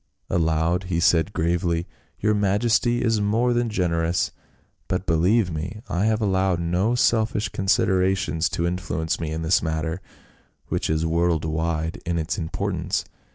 Aloud he said gravely, "Your majesty is more than generous ; but believe me, I have allowed no selfish considerations to influence me in this matter, which is world wide in its importance.